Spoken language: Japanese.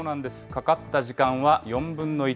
かかった時間は４分の１。